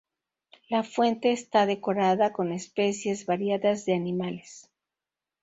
La fuente está decorada con especies variadas de animales.